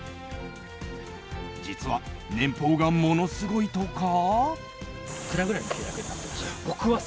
実は年俸がものすごいとか？